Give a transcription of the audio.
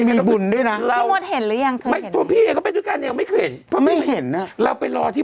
มีบุญด้วยนะพี่หมดเห็นหรือยังเคยเห็นไม่เพราะไม่เห็นเราไปรอที่